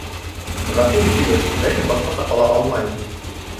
Ғәфү итегеҙ, ләкин башҡаса ҡала алмайым